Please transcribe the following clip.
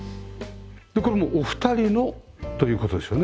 でこれもうお二人のという事ですよね？